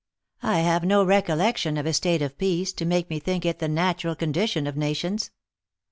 I have no recollection of a state of peace, to make me think it the natural condition of nations."